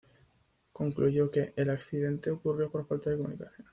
Concluyó que "el accidente ocurrió por falta de comunicación".